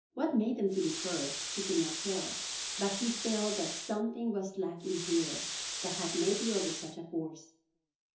What made them to differ? He could not tell, but he felt that something was lacking here that had made the other such a force.